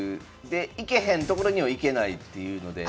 で行けへんところには行けないっていうので。